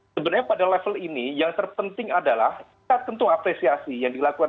sebenarnya pada level ini yang terpenting adalah kita tentu apresiasi yang dilakukan